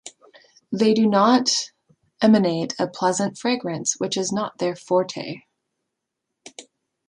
They do not emanate a pleasant fragrance, which is not their forte.